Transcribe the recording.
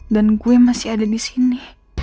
dan gue masih ada di sini